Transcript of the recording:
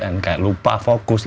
and kayak lupa fokus